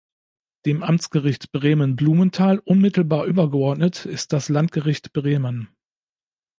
Dem Amtsgericht Bremen-Blumenthal unmittelbar übergeordnet ist das Landgericht Bremen.